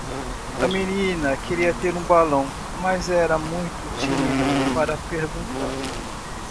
A menina queria ter um balão?, mas era muito tímida para perguntar.